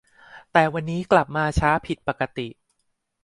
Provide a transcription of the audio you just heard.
แต่วันนี้กลับมาช้าผิดปกติ